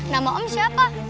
nama om siapa